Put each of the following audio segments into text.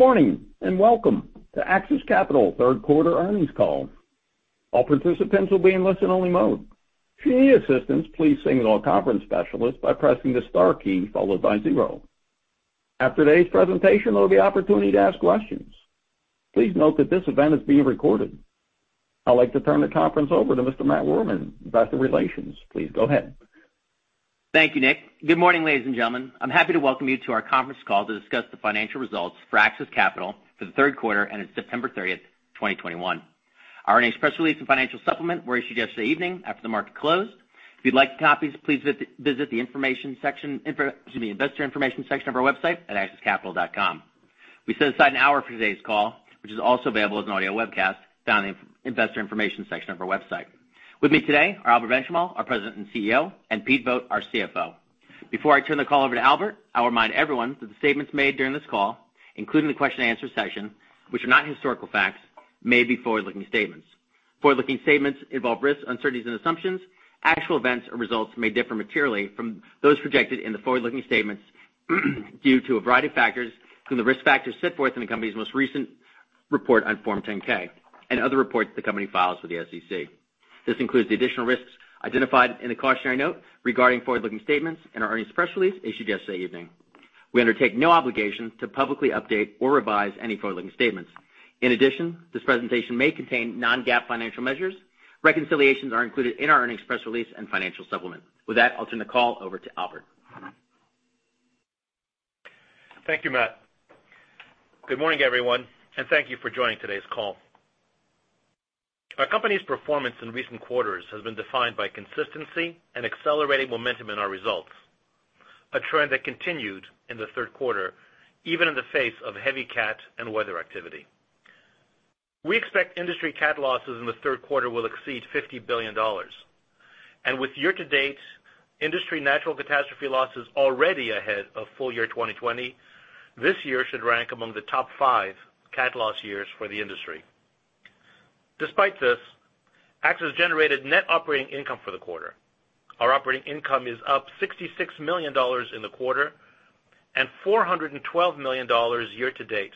Good morning, and welcome to AXIS Capital third quarter earnings call. All participants will be in listen-only mode. If you need assistance, please signal a conference specialist by pressing the star key followed by zero. After today's presentation, there'll be an opportunity to ask questions. Please note that this event is being recorded. I'd like to turn the conference over to Mr. Matt Rohrmann, Investor Relations. Please go ahead. Thank you, Nick. Good morning, ladies and gentlemen. I'm happy to welcome you to our conference call to discuss the financial results for AXIS Capital for the third quarter and its September 30th, 2021. Our earnings press release and financial supplement were issued yesterday evening after the market closed. If you'd like copies, please visit the investor information section of our website at axiscapital.com. We set aside an hour for today's call, which is also available as an audio webcast found in the investor information section of our website. With me today are Albert Benchimol, our President and CEO, and Pete Vogt, our CFO. Before I turn the call over to Albert, I'll remind everyone that the statements made during this call, including the question and answer session, which are not historical facts, may be forward-looking statements. Forward-looking statements involve risks, uncertainties, and assumptions. Actual events or results may differ materially from those projected in the forward-looking statements due to a variety of factors from the risk factors set forth in the company's most recent report on Form 10-K and other reports the company files with the SEC. This includes the additional risks identified in the cautionary note regarding forward-looking statements in our earnings press release issued yesterday evening. We undertake no obligation to publicly update or revise any forward-looking statements. In addition, this presentation may contain non-GAAP financial measures. Reconciliations are included in our earnings press release and financial supplement. With that, I'll turn the call over to Albert. Thank you, Matt. Good morning, everyone, and thank you for joining today's call. Our company's performance in recent quarters has been defined by consistency and accelerating momentum in our results, a trend that continued in the third quarter, even in the face of heavy cat and weather activity. We expect industry cat losses in the third quarter will exceed $50 billion. With year-to-date industry natural catastrophe losses already ahead of full year 2020, this year should rank among the top five cat loss years for the industry. Despite this, AXIS generated net operating income for the quarter. Our operating income is up $66 million in the quarter and $412 million year-to-date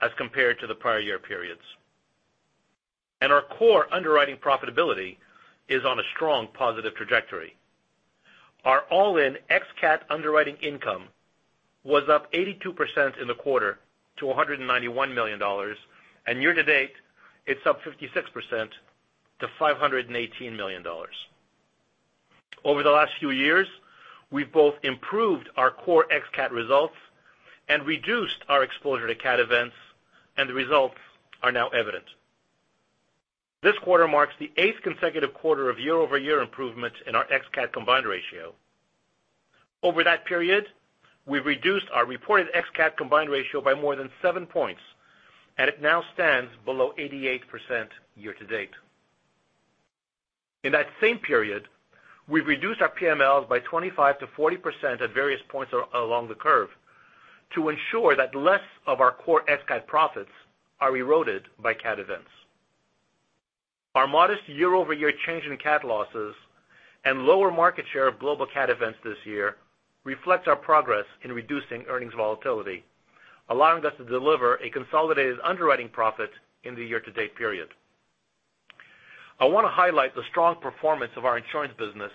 as compared to the prior year periods. Our core underwriting profitability is on a strong positive trajectory. Our all-in ex-cat underwriting income was up 82% in the quarter to $191 million, and year-to-date, it's up 56% to $518 million. Over the last few years, we've both improved our core ex-cat results and reduced our exposure to cat events, and the results are now evident. This quarter marks the eighth consecutive quarter of year-over-year improvements in our ex-cat combined ratio. Over that period, we've reduced our reported ex-cat combined ratio by more than seven points, and it now stands below 88% year-to-date. In that same period, we've reduced our PMLs by 25%-40% at various points along the curve to ensure that less of our core ex-cat profits are eroded by cat events. Our modest year-over-year change in cat losses and lower market share of global cat events this year reflects our progress in reducing earnings volatility, allowing us to deliver a consolidated underwriting profit in the year-to-date period. I want to highlight the strong performance of our insurance business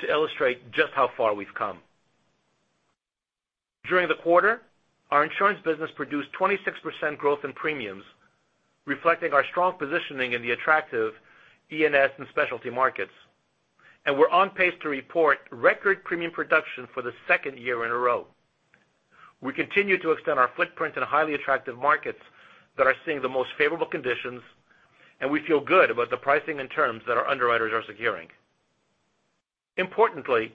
to illustrate just how far we've come. During the quarter, our insurance business produced 26% growth in premiums, reflecting our strong positioning in the attractive E&S and specialty markets. We're on pace to report record premium production for the second year in a row. We continue to extend our footprint in highly attractive markets that are seeing the most favorable conditions. We feel good about the pricing and terms that our underwriters are securing. Importantly,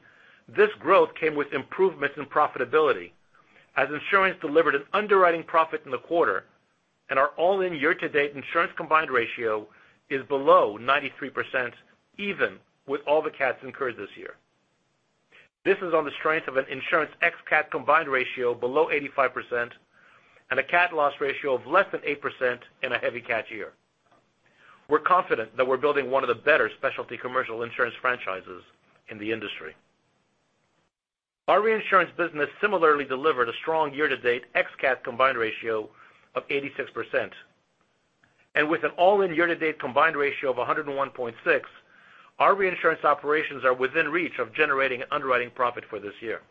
this growth came with improvements in profitability as insurance delivered an underwriting profit in the quarter and our all-in year-to-date insurance combined ratio is below 93%, even with all the cats incurred this year. This is on the strength of an insurance ex-cat combined ratio below 85% and a cat loss ratio of less than 8% in a heavy cat year. We're confident that we're building one of the better specialty commercial insurance franchises in the industry. Our reinsurance business similarly delivered a strong year-to-date ex-cat combined ratio of 86%. With an all-in year-to-date combined ratio of 101.6, our reinsurance operations are within reach of generating underwriting profit for this year.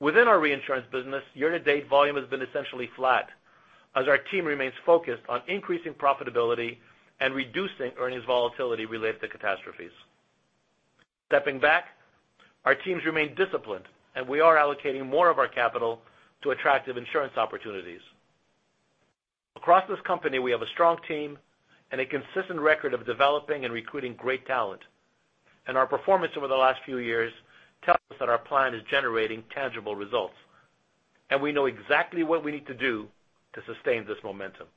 Within our reinsurance business, year-to-date volume has been essentially flat as our team remains focused on increasing profitability and reducing earnings volatility related to catastrophes. Stepping back, our teams remain disciplined and we are allocating more of our capital to attractive insurance opportunities. Across this company, we have a strong team and a consistent record of developing and recruiting great talent, and our performance over the last few years tells us that our plan is generating tangible results. We know exactly what we need to do to sustain this momentum.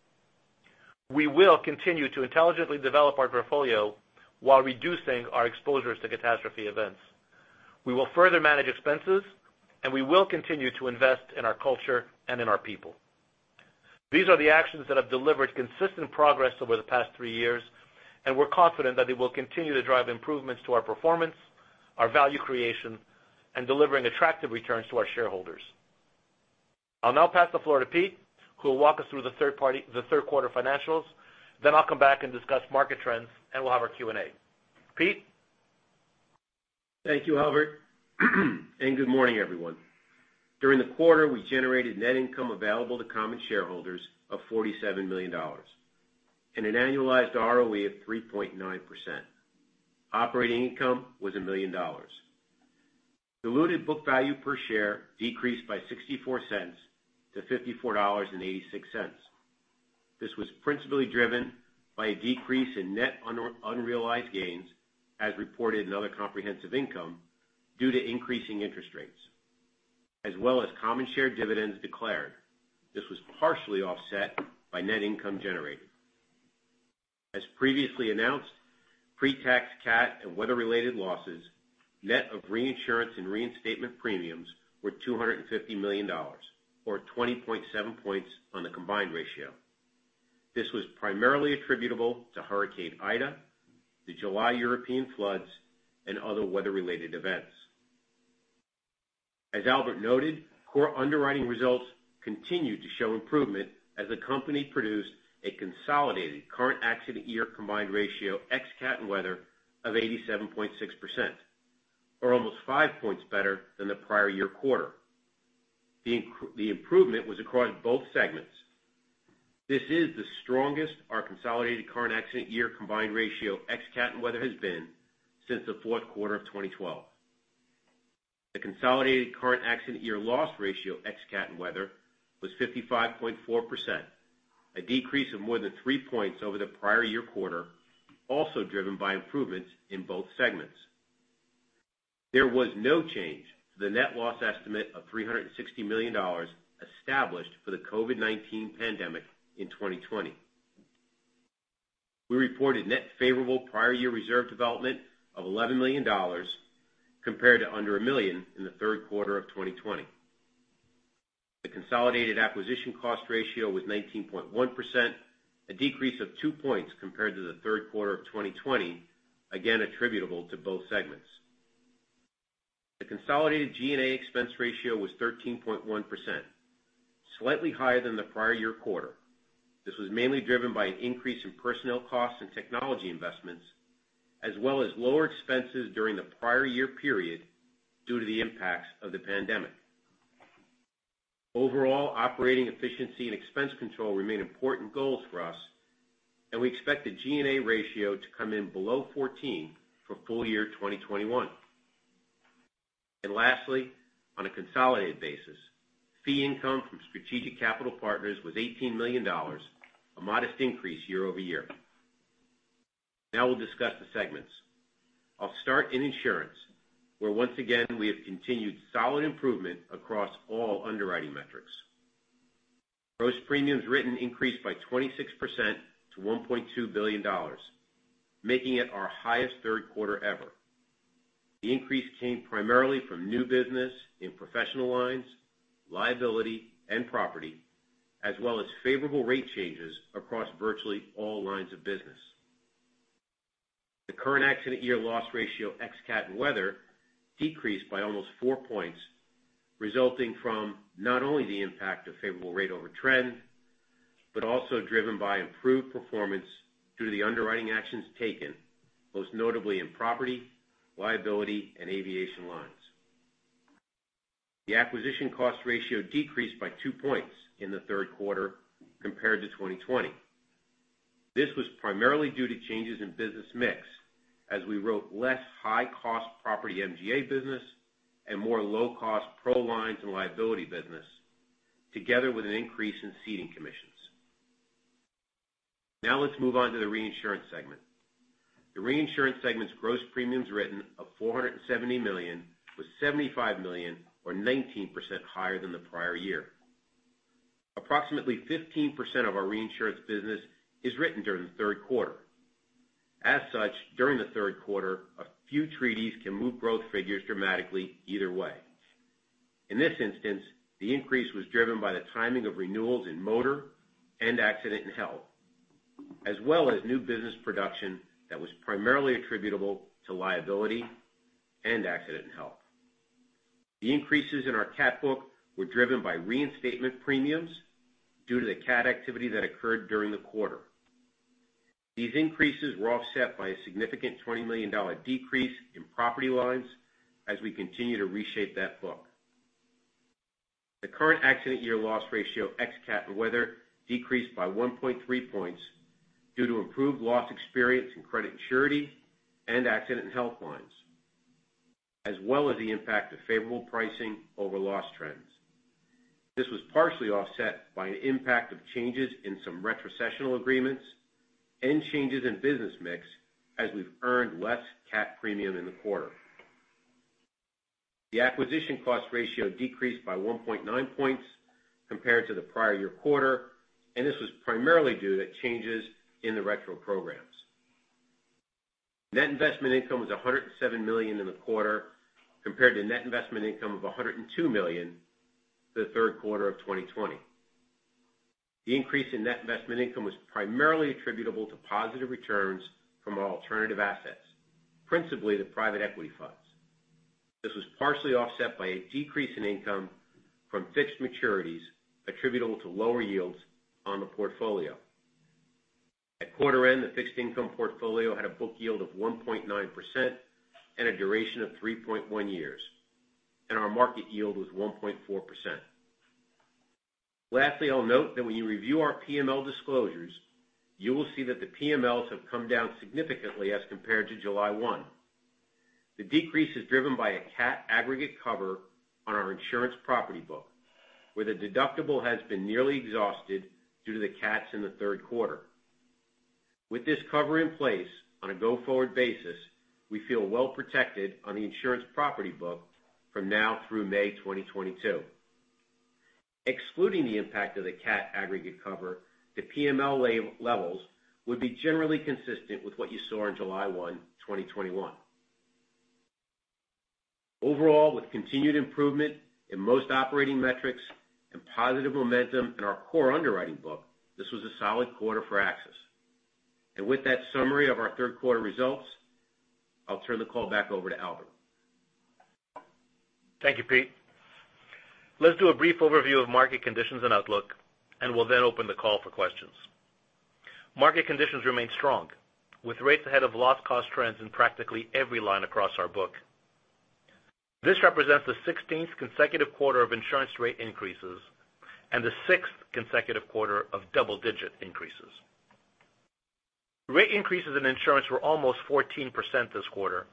We will continue to intelligently develop our portfolio while reducing our exposures to catastrophe events. We will further manage expenses, and we will continue to invest in our culture and in our people. These are the actions that have delivered consistent progress over the past three years, and we're confident that they will continue to drive improvements to our performance, our value creation, and delivering attractive returns to our shareholders. I'll now pass the floor to Pete, who will walk us through the third quarter financials. I'll come back and discuss market trends, and we'll have our Q&A. Pete? Thank you, Albert. Good morning, everyone. During the quarter, we generated net income available to common shareholders of $47 million and an annualized ROE of 3.9%. Operating income was $1 million. Diluted book value per share decreased by $0.64 to $54.86. This was principally driven by a decrease in net unrealized gains, as reported in other comprehensive income due to increasing interest rates, as well as common share dividends declared. This was partially offset by net income generated. As previously announced, pre-tax cat and weather-related losses, net of reinsurance and reinstatement premiums were $250 million, or 20.7 points on the combined ratio. This was primarily attributable to Hurricane Ida, the July European floods, and other weather-related events. As Albert noted, core underwriting results continued to show improvement as the company produced a consolidated current accident year combined ratio ex-cat and weather of 87.6%, or almost five points better than the prior year quarter. The improvement was across both segments. This is the strongest our consolidated current accident year combined ratio ex-cat and weather has been since the fourth quarter of 2012. The consolidated current accident year loss ratio ex-cat and weather was 55.4%, a decrease of more than three points over the prior year quarter, also driven by improvements in both segments. There was no change to the net loss estimate of $360 million established for the COVID-19 pandemic in 2020. We reported net favorable prior year reserve development of $11 million compared to under $1 million in the third quarter of 2020. The consolidated acquisition cost ratio was 19.1%, a decrease of two points compared to the third quarter of 2020, again attributable to both segments. The consolidated G&A expense ratio was 13.1%, slightly higher than the prior year quarter. This was mainly driven by an increase in personnel costs and technology investments, as well as lower expenses during the prior year period due to the impacts of the pandemic. Overall, operating efficiency and expense control remain important goals for us, and we expect the G&A ratio to come in below 14% for full year 2021. Lastly, on a consolidated basis, fee income from strategic capital partners was $18 million, a modest increase year-over-year. We'll discuss the segments. I'll start in insurance, where once again, we have continued solid improvement across all underwriting metrics. Gross premiums written increased by 26% to $1.2 billion, making it our highest third quarter ever. The increase came primarily from new business in professional lines, liability, and property, as well as favorable rate changes across virtually all lines of business. The current accident year loss ratio ex-cat and weather decreased by almost 4 points, resulting from not only the impact of favorable rate over trend, but also driven by improved performance due to the underwriting actions taken, most notably in property, liability, and aviation lines. The acquisition cost ratio decreased by 2 points in the third quarter compared to 2020. This was primarily due to changes in business mix, as we wrote less high-cost property MGA business and more low-cost pro lines and liability business, together with an increase in ceding commissions. Let's move on to the reinsurance segment. The reinsurance segment's gross premiums written of $470 million was $75 million or 19% higher than the prior year. Approximately 15% of our reinsurance business is written during the third quarter. As such, during the third quarter, a few treaties can move growth figures dramatically either way. In this instance, the increase was driven by the timing of renewals in motor and accident and health, as well as new business production that was primarily attributable to liability and accident and health. The increases in our cat book were driven by reinstatement premiums due to the cat activity that occurred during the quarter. These increases were offset by a significant $20 million decrease in property lines as we continue to reshape that book. The current accident year loss ratio ex-cat and weather decreased by 1.3 points due to improved loss experience in credit surety and accident and health lines, as well as the impact of favorable pricing over loss trends. This was partially offset by an impact of changes in some retrocessional agreements and changes in business mix, as we've earned less cat premium in the quarter. The acquisition cost ratio decreased by 1.9 points compared to the prior year quarter. This was primarily due to changes in the retro programs. Net investment income was $107 million in the quarter compared to net investment income of $102 million the third quarter of 2020. The increase in net investment income was primarily attributable to positive returns from our alternative assets, principally the private equity funds. This was partially offset by a decrease in income from fixed maturities attributable to lower yields on the portfolio. At quarter end, the fixed income portfolio had a book yield of 1.9% and a duration of 3.1 years, and our market yield was 1.4%. I'll note that when you review our PML disclosures, you will see that the PMLs have come down significantly as compared to July 1. The decrease is driven by a cat aggregate cover on our insurance property book, where the deductible has been nearly exhausted due to the cats in the third quarter. With this cover in place on a go-forward basis, we feel well-protected on the insurance property book from now through May 2022. Excluding the impact of the cat aggregate cover, the PML levels would be generally consistent with what you saw on July 1, 2021. Overall, with continued improvement in most operating metrics and positive momentum in our core underwriting book, this was a solid quarter for AXIS. With that summary of our third quarter results, I'll turn the call back over to Albert. Thank you, Pete. Let's do a brief overview of market conditions and outlook, and we'll then open the call for questions. Market conditions remain strong, with rates ahead of loss cost trends in practically every line across our book. This represents the 16th consecutive quarter of insurance rate increases and the sixth consecutive quarter of double-digit increases. Rate increases in insurance were almost 14% this quarter,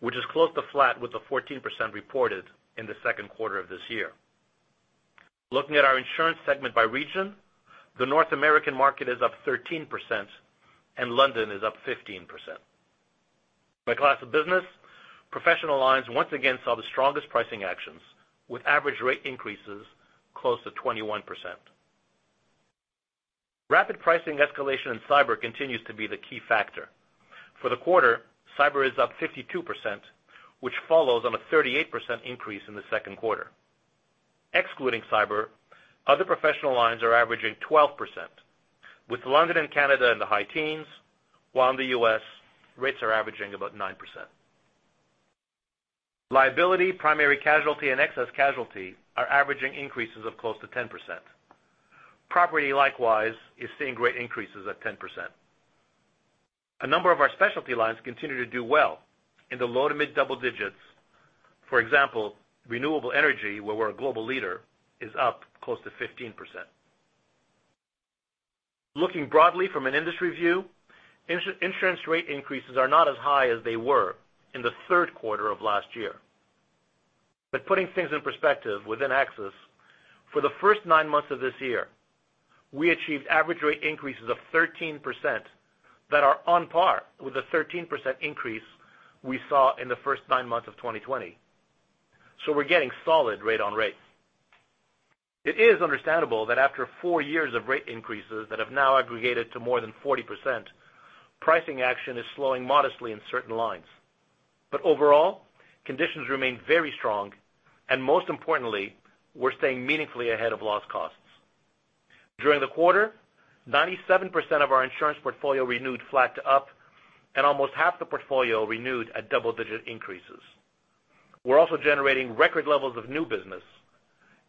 which is close to flat with the 14% reported in the second quarter of this year. Looking at our insurance segment by region, the North American market is up 13% and London is up 15%. By class of business, professional lines once again saw the strongest pricing actions, with average rate increases close to 21%. Rapid pricing escalation in cyber continues to be the key factor. For the quarter, cyber is up 52%, which follows on a 38% increase in the second quarter. Excluding cyber, other professional lines are averaging 12%, with London and Canada in the high teens, while in the U.S., rates are averaging about 9%. Liability, primary casualty, and excess casualty are averaging increases of close to 10%. Property, likewise, is seeing great increases at 10%. A number of our specialty lines continue to do well in the low to mid double digits. For example, renewable energy, where we're a global leader, is up close to 15%. Looking broadly from an industry view, insurance rate increases are not as high as they were in the third quarter of last year. Putting things in perspective within AXIS, for the first nine months of this year, we achieved average rate increases of 13% that are on par with the 13% increase we saw in the first nine months of 2020. We're getting solid rate on rates. It is understandable that after four years of rate increases that have now aggregated to more than 40%, pricing action is slowing modestly in certain lines. Overall, conditions remain very strong, and most importantly, we're staying meaningfully ahead of loss costs. During the quarter, 97% of our reinsuranceportfolio renewed flat to up and almost half the portfolio renewed at double-digit increases. We're also generating record levels of new business,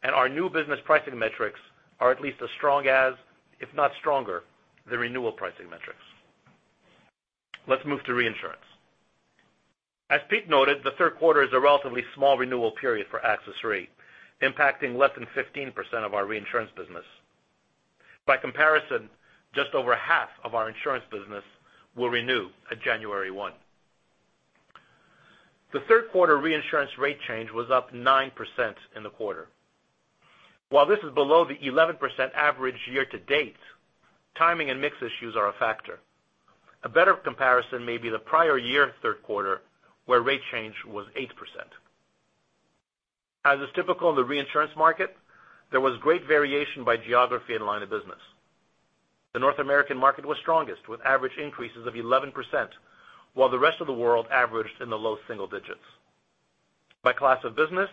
and our new business pricing metrics are at least as strong as, if not stronger, the renewal pricing metrics. Let's move to reinsurance. As Pete noted, the third quarter is a relatively small renewal period for AXIS Re, impacting less than 15% of our reinsurance business. By comparison, just over half of our reinsurancebusiness will renew at January 1. The third quarter reinsurance rate change was up 9% in the quarter. While this is below the 11% average year-to-date, timing and mix issues are a factor. A better comparison may be the prior year third quarter, where rate change was 8%. As is typical in the reinsurance market, there was great variation by geography and line of business. The North American market was strongest, with average increases of 11%, while the rest of the world averaged in the low single digits. By class of business,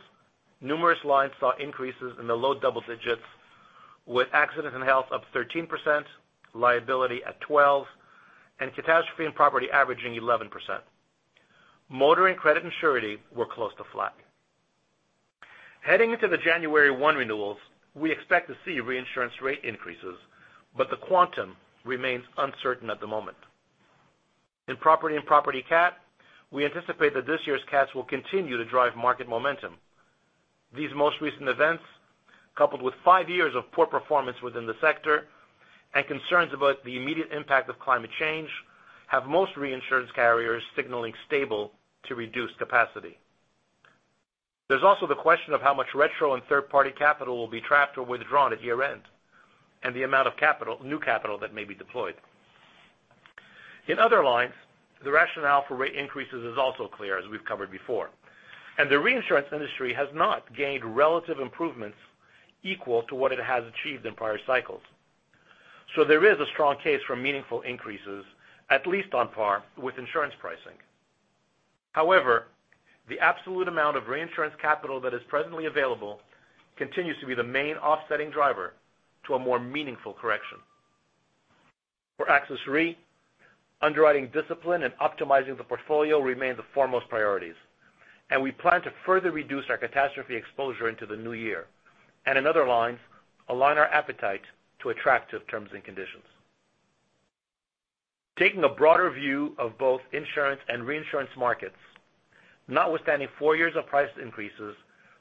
numerous lines saw increases in the low double digits, with accident and health up 13%, liability at 12%, and catastrophe and property averaging 11%. motor and credit and surety were close to flat. Heading into the January 1 renewals, we expect to see reinsurance rate increases, but the quantum remains uncertain at the moment. In property and property cat, we anticipate that this year's cats will continue to drive market momentum. These most recent events, coupled with five years of poor performance within the sector and concerns about the immediate impact of climate change, have most reinsurance carriers signaling stable to reduce capacity. There's also the question of how much retrocession and third-party capital will be trapped or withdrawn at year-end, and the amount of new capital that may be deployed. In other lines, the rationale for rate increases is also clear, as we've covered before, and the reinsurance industry has not gained relative improvements equal to what it has achieved in prior cycles. There is a strong case for meaningful increases, at least on par with insurance pricing. However, the absolute amount of reinsurance capital that is presently available continues to be the main offsetting driver to a more meaningful correction. For AXIS Re, underwriting discipline and optimizing the portfolio remain the foremost priorities, and we plan to further reduce our catastrophe exposure into the new year, and in other lines, align our appetite to attractive terms and conditions. Taking a broader view of both insurance and reinsurance markets, notwithstanding four years of price increases,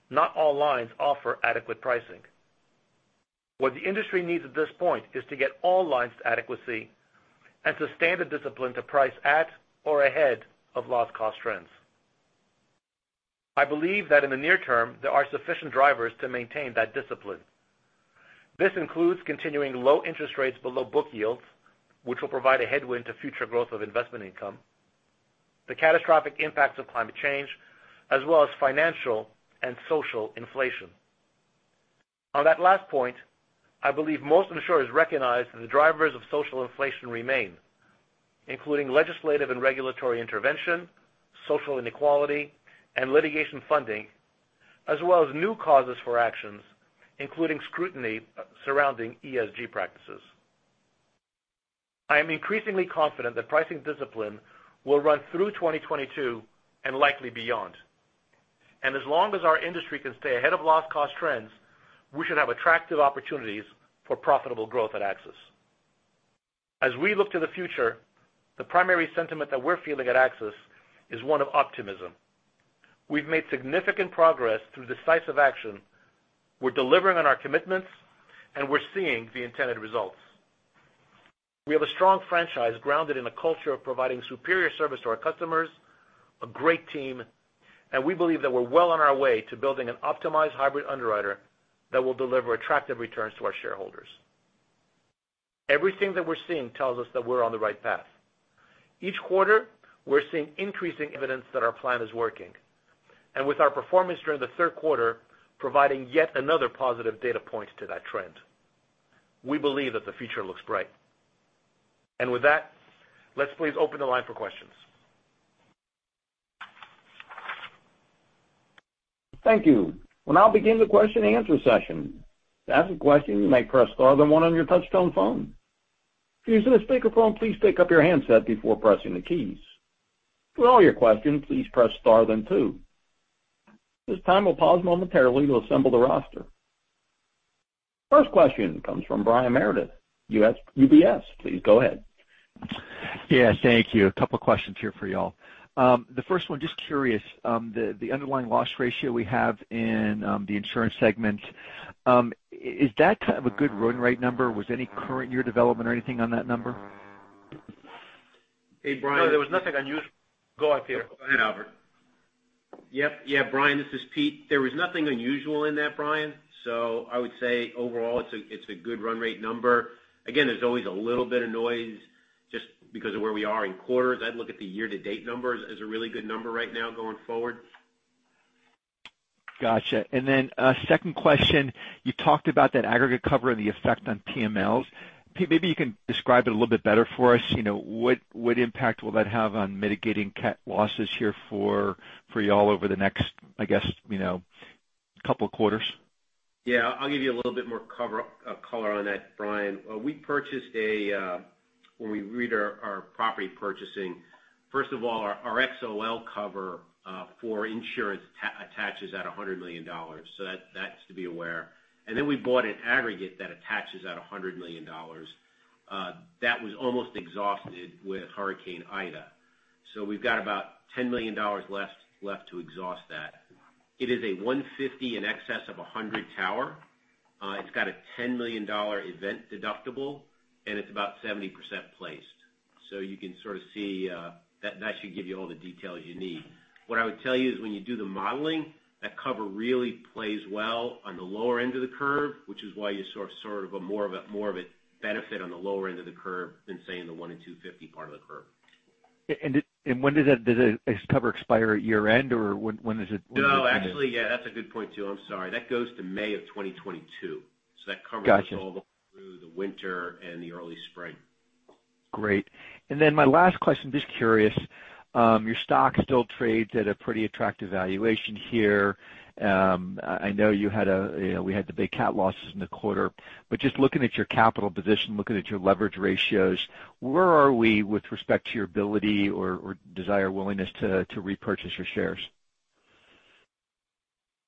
not all lines offer adequate pricing. What the industry needs at this point is to get all lines to adequacy and sustain the discipline to price at or ahead of loss cost trends. I believe that in the near term, there are sufficient drivers to maintain that discipline. This includes continuing low interest rates below book yields, which will provide a headwind to future growth of investment income, the catastrophic impacts of climate change, as well as financial and social inflation. On that last point, I believe most insurers recognize that the drivers of social inflation remain, including legislative and regulatory intervention, social inequality and litigation funding, as well as new causes for actions, including scrutiny surrounding ESG practices. I am increasingly confident that pricing discipline will run through 2022, and likely beyond. As long as our industry can stay ahead of loss cost trends, we should have attractive opportunities for profitable growth at AXIS. As we look to the future, the primary sentiment that we're feeling at AXIS is one of optimism. We've made significant progress through decisive action. We're delivering on our commitments, and we're seeing the intended results. We have a strong franchise grounded in a culture of providing superior service to our customers, a great team, and we believe that we're well on our way to building an optimized hybrid underwriter that will deliver attractive returns to our shareholders. Everything that we're seeing tells us that we're on the right path. Each quarter, we're seeing increasing evidence that our plan is working, and with our performance during the third quarter providing yet another positive data point to that trend. We believe that the future looks bright. With that, let's please open the line for questions. Thank you. We'll now begin the question and answer session. To ask a question, you may press star then one on your touchtone phone. If you're using a speakerphone, please pick up your handset before pressing the keys. For all your questions, please press star then two. This time, we'll pause momentarily to assemble the roster. First question comes from Brian Meredith, UBS. Please go ahead. Yeah, thank you. A couple questions here for y'all. The first one, just curious, the underlying loss ratio we have in the insurance segment, is that kind of a good run rate number? Was any current year development or anything on that number? Hey, Brian. No, there was nothing. Go, Pete. Go ahead, Albert. Go ahead, Albert. Yep. Yeah, Brian, this is Pete. There was nothing unusual in that, Brian. I would say overall, it's a good run rate number. Again, there's always a little bit of noise just because of where we are in quarters. I'd look at the year to date number as a really good number right now going forward. Gotcha. Second question. You talked about that aggregate cover and the effect on PMLs. Pete, maybe you can describe it a little bit better for us. What impact will that have on mitigating cat losses here for y'all over the next, I guess, couple of quarters? Yeah. I'll give you a little bit more color on that, Brian. When we read our property purchasing, first of all, our XOL cover for insurance attaches at $100 million. That's to be aware. We bought an aggregate that attaches at $100 million. That was almost exhausted with Hurricane Ida. We've got about $10 million left to exhaust that. It is a 150 in excess of 100 tower. It's got a $10 million event deductible, and it's about 70% placed. You can sort of see, that should give you all the details you need. What I would tell you is when you do the modeling, that cover really plays well on the lower end of the curve, which is why you saw sort of a more of a benefit on the lower end of the curve than, say, in the one and 250 part of the curve. When does that cover expire, at year-end, or when is it? No, actually, yeah, that's a good point, too. I'm sorry. That goes to May of 2022. That covers- Got you us all the way through the winter and the early spring. Great. My last question, just curious, your stock still trades at a pretty attractive valuation here. I know we had the big cat losses in the quarter, but just looking at your capital position, looking at your leverage ratios, where are we with respect to your ability or desire or willingness to repurchase your shares?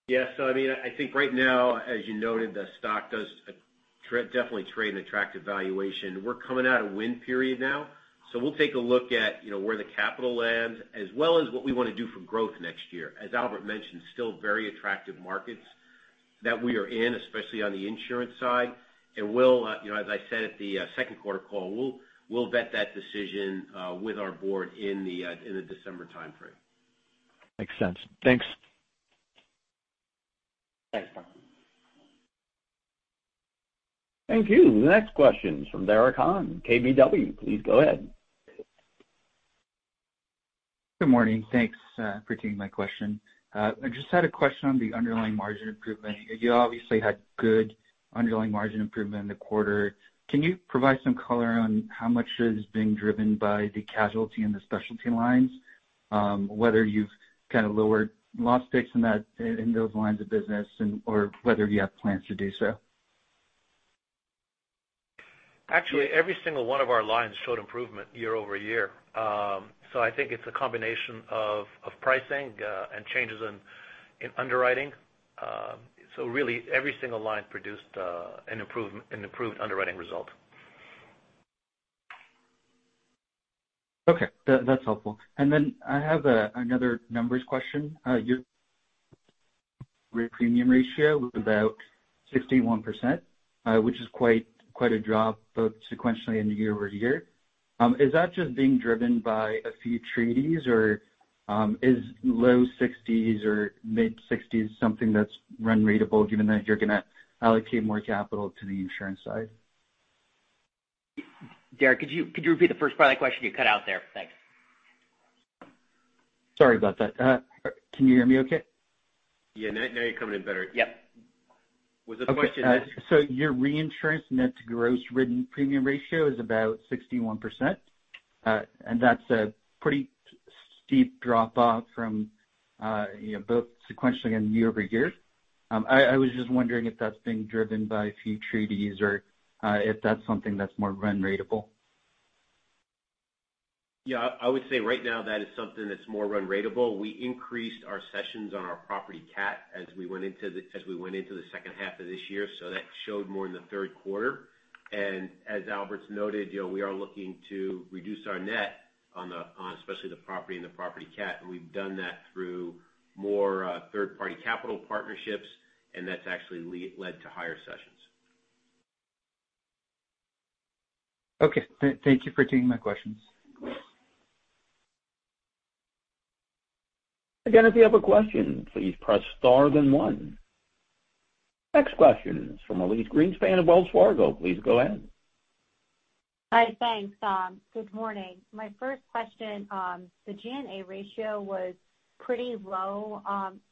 Yeah. I think right now, as you noted, the stock does definitely trade an attractive valuation. We're coming out of wind period now, so we'll take a look at where the capital lands as well as what we want to do for growth next year. As Albert Benchimol mentioned, still very attractive markets that we are in, especially on the insurance side. As I said at the second quarter call, we'll vet that decision with our board in the December timeframe. Makes sense. Thanks. Thanks, Brian. Thank you. The next question's from Derek Han, KBW. Please go ahead. Good morning. Thanks for taking my question. I just had a question on the underlying margin improvement. You obviously had good underlying margin improvement in the quarter. Can you provide some color on how much is being driven by the casualty and the specialty lines? Whether you've kind of lowered loss takes in those lines of business or whether you have plans to do so. Actually, every single one of our lines showed improvement year-over-year. I think it's a combination of pricing, and changes in underwriting. Really, every single line produced an improved underwriting result. Okay. That's helpful. I have another numbers question. Your premium ratio was about 61%, which is quite a drop, both sequentially and year-over-year. Is that just being driven by a few treaties, or is low 60s or mid-60s something that's run ratable given that you're going to allocate more capital to the insurance side? Derek, could you repeat the first part of the question? You cut out there. Thanks. Sorry about that. Can you hear me okay? Yeah. Now you're coming in better. Yep. Was the question- Okay. Your reinsurance net to gross written premium ratio is about 61%, and that's a pretty steep drop-off from both sequentially and year-over-year. I was just wondering if that's being driven by a few treaties or if that's something that's more run ratable. Yeah. I would say right now that is something that's more run ratable. We increased our cessions on our property cat as we went into the second half of this year, so that showed more in the third quarter. As Albert's noted, we are looking to reduce our net on especially the property and the property cat, and we've done that through more third-party capital partnerships, and that's actually led to higher cessions. Okay. Thank you for taking my questions. If you have a question, please press star then one. Next question is from Elyse Greenspan of Wells Fargo. Please go ahead. Hi. Thanks. Good morning. My first question, the G&A ratio was pretty low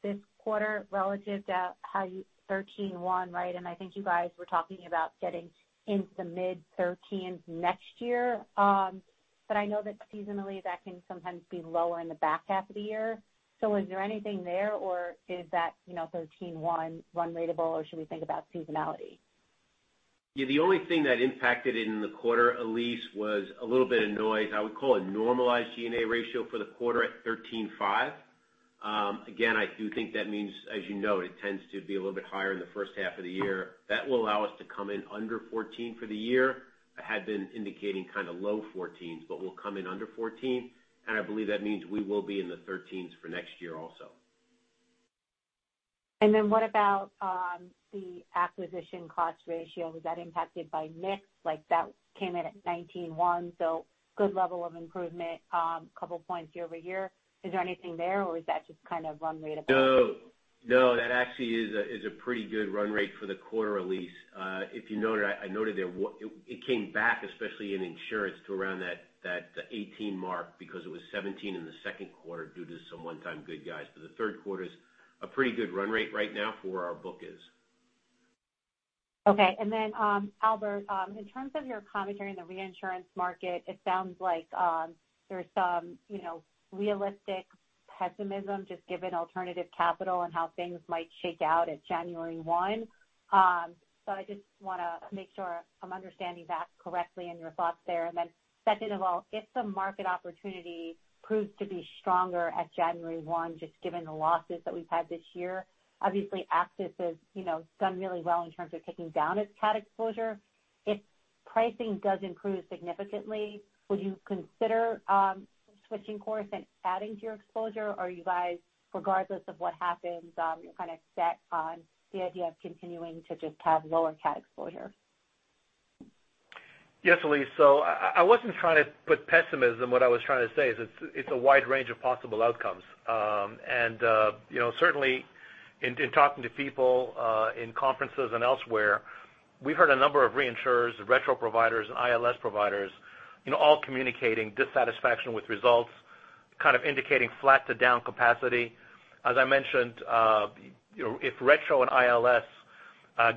this quarter relative to how you 13.1%, right? I think you guys were talking about getting into the mid-13s next year. I know that seasonally, that can sometimes be lower in the back half of the year. So is there anything there, or is that 13.1% run ratable, or should we think about seasonality? Yeah, the only thing that impacted in the quarter, Elyse, was a little bit of noise. I would call a normalized G&A ratio for the quarter at 13.5%. I do think that means, as you know, it tends to be a little bit higher in the first half of the year. That will allow us to come in under 14% for the year. I had been indicating kind of low 14s. We'll come in under 14%, and I believe that means we will be in the 13s for next year also. What about the acquisition cost ratio? Was that impacted by mix? Like that came in at 19.1, good level of improvement, couple points year-over-year. Is there anything there or is that just kind of run ratable? No. No, that actually is a pretty good run rate for the quarter, Elyse. If you noted, I noted it came back, especially in insurance, to around that 18 mark because it was 17 in the second quarter due to some one-time good guys. The third quarter's a pretty good run rate right now for where our book is. Okay. Albert, in terms of your commentary in the reinsurance market, it sounds like there's some realistic pessimism, just given alternative capital and how things might shake out at January 1. I just want to make sure I'm understanding that correctly and your thoughts there. Second of all, if the market opportunity proves to be stronger at January 1, just given the losses that we've had this year, obviously AXIS has done really well in terms of taking down its cat exposure. If pricing does improve significantly, would you consider switching course and adding to your exposure? Or you guys, regardless of what happens, you're kind of set on the idea of continuing to just have lower cat exposure? Yes, Elyse. I wasn't trying to put pessimism. What I was trying to say is it's a wide range of possible outcomes. Certainly in talking to people, in conferences and elsewhere, we've heard a number of reinsurers, retrocession providers, and ILS providers all communicating dissatisfaction with results, kind of indicating flat to down capacity. As I mentioned, if retrocession and ILS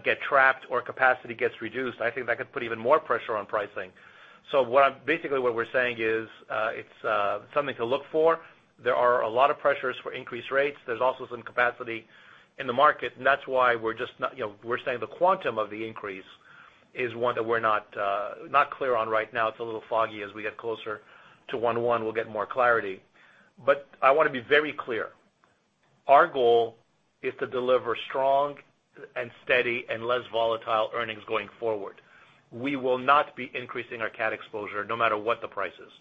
get trapped or capacity gets reduced, I think that could put even more pressure on pricing. Basically what we're saying is, it's something to look for. There are a lot of pressures for increased rates. There's also some capacity in the market, that's why we're saying the quantum of the increase is one that we're not clear on right now. It's a little foggy. As we get closer to 1/1, we'll get more clarity. I want to be very clear. Our goal is to deliver strong and steady and less volatile earnings going forward. We will not be increasing our cat exposure no matter what the price is.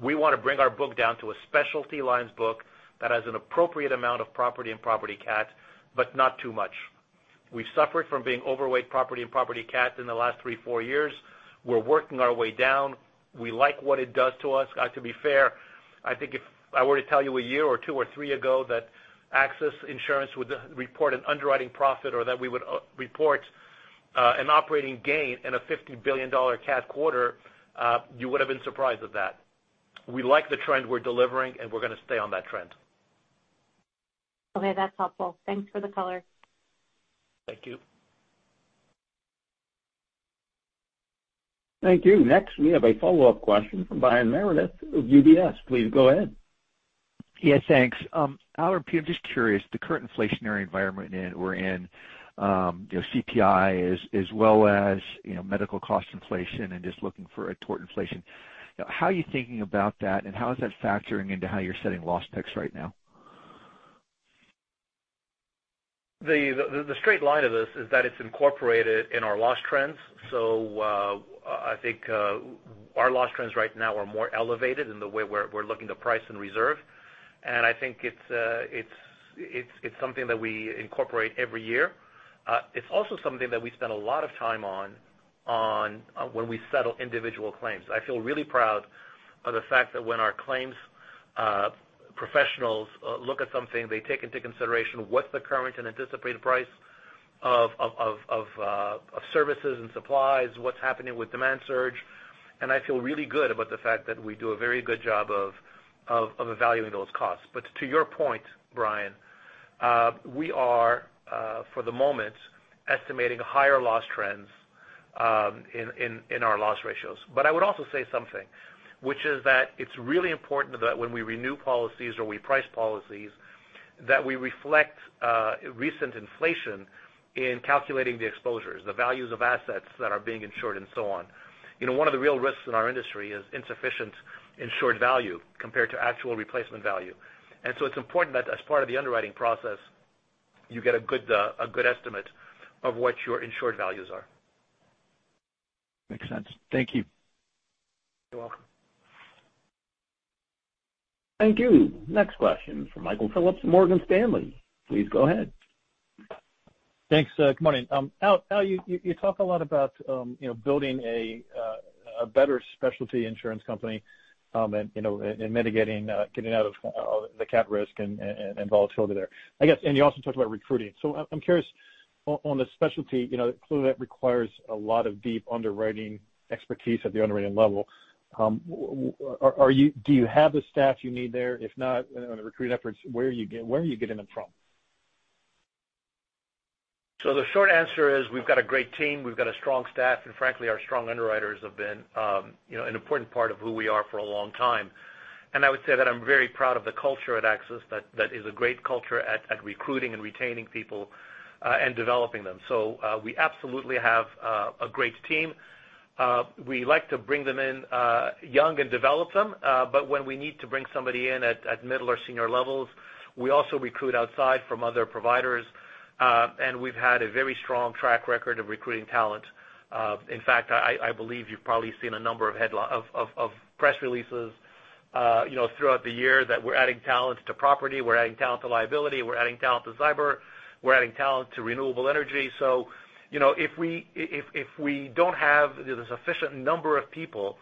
We want to bring our book down to a specialty lines book that has an appropriate amount of property and property cat, but not too much. We've suffered from being overweight property and property cat in the last three, four years. We're working our way down. We like what it does to us. To be fair, I think if I were to tell you a year or two or three ago that AXIS Insurance would report an underwriting profit or that we would report an operating gain and a $50 billion cash quarter, you would have been surprised at that. We like the trend we're delivering, and we're going to stay on that trend. Okay, that's helpful. Thanks for the color. Thank you. Thank you. We have a follow-up question from Brian Meredith of UBS. Please go ahead. Yes, thanks. Al or Pete, I'm just curious, the current inflationary environment we're in, CPI, as well as medical cost inflation and just looking for a tort inflation, how are you thinking about that, and how is that factoring into how you're setting loss picks right now? The straight line of this is that it's incorporated in our loss trends. I think our loss trends right now are more elevated in the way we're looking to price and reserve. I think it's something that we incorporate every year. It's also something that we spend a lot of time on when we settle individual claims. I feel really proud of the fact that when our claims professionals look at something, they take into consideration what's the current and anticipated price of services and supplies, what's happening with demand surge. I feel really good about the fact that we do a very good job of evaluating those costs. To your point, Brian, we are, for the moment, estimating higher loss trends in our loss ratios. I would also say something, which is that it's really important that when we renew policies or we price policies, that we reflect recent inflation in calculating the exposures, the values of assets that are being insured and so on. One of the real risks in our industry is insufficient insured value compared to actual replacement value. It's important that as part of the underwriting process, you get a good estimate of what your insured values are. Makes sense. Thank you. You're welcome. Thank you. Next question from Michael Phillips, Morgan Stanley. Please go ahead. Thanks. Good morning. Al, you talk a lot about building a better specialty insurance company and mitigating, getting out of the cat risk and volatility there. I guess, you also talked about recruiting. I'm curious on the specialty, clearly that requires a lot of deep underwriting expertise at the underwriting level. Do you have the staff you need there? If not, on the recruiting efforts, where are you getting them from? The short answer is we've got a great team, we've got a strong staff, and frankly, our strong underwriters have been an important part of who we are for a long time. I would say that I'm very proud of the culture at AXIS, that is a great culture at recruiting and retaining people and developing them. We absolutely have a great team. We like to bring them in young and develop them. When we need to bring somebody in at middle or senior levels, we also recruit outside from other providers. We've had a very strong track record of recruiting talent. In fact, I believe you've probably seen a number of press releases throughout the year that we're adding talent to property, we're adding talent to liability, we're adding talent to cyber, we're adding talent to renewable energy. If we don't have the sufficient number of people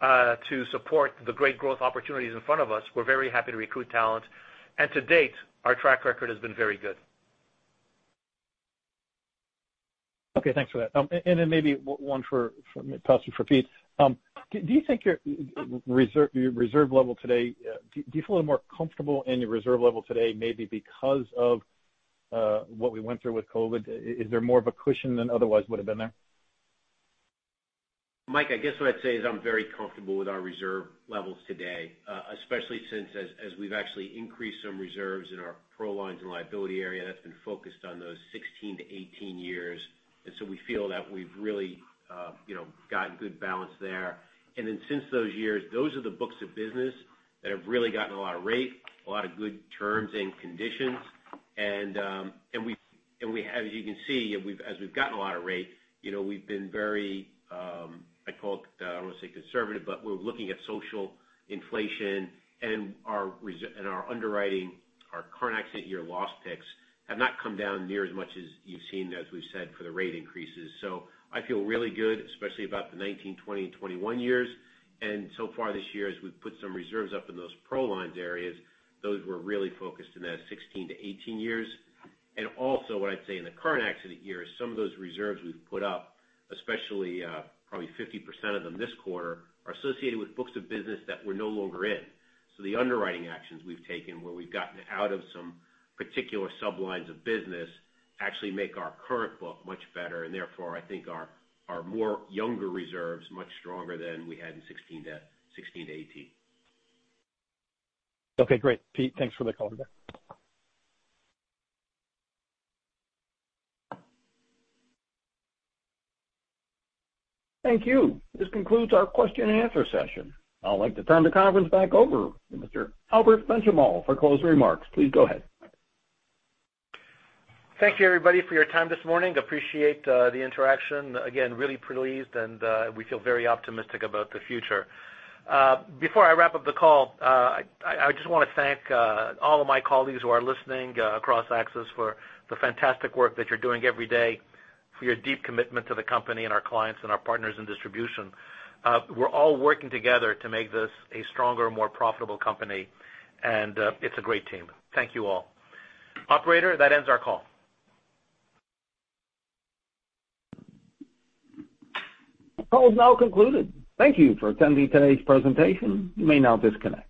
to support the great growth opportunities in front of us, we're very happy to recruit talent. To date, our track record has been very good. Okay, thanks for that. Maybe one for Pete. Do you think your reserve level today, do you feel more comfortable in your reserve level today, maybe because of what we went through with COVID? Is there more of a cushion than otherwise would've been there? Mike, I guess what I'd say is I'm very comfortable with our reserve levels today, especially since as we've actually increased some reserves in our professional lines and liability area, that's been focused on those 16-18 years. We feel that we've really gotten good balance there. Since those years, those are the books of business that have really gotten a lot of rate, a lot of good terms and conditions. As you can see, as we've gotten a lot of rate, we've been very, I'd call it, I don't want to say conservative, but we're looking at social inflation and our underwriting, our current accident year loss picks have not come down near as much as you've seen, as we've said, for the rate increases. I feel really good, especially about the 2019, 2020, and 2021 years. So far this year, as we've put some reserves up in those professional lines areas, those were really focused in that 16-18 years. Also what I'd say in the current accident year is some of those reserves we've put up, especially probably 50% of them this quarter, are associated with books of business that we're no longer in. The underwriting actions we've taken where we've gotten out of some particular sublines of business actually make our current book much better, and therefore, I think our more younger reserve's much stronger than we had in 2016-2018. Okay, great. Pete, thanks for the color there. Thank you. This concludes our question and answer session. I'd like to turn the conference back over to Mr. Albert Benchimol for closing remarks. Please go ahead. Thank you, everybody, for your time this morning. Appreciate the interaction. Again, really pleased, and we feel very optimistic about the future. Before I wrap up the call, I just want to thank all of my colleagues who are listening across AXIS for the fantastic work that you're doing every day, for your deep commitment to the company and our clients and our partners in distribution. We're all working together to make this a stronger, more profitable company, and it's a great team. Thank you all. Operator, that ends our call. The call is now concluded. Thank you for attending today's presentation. You may now disconnect.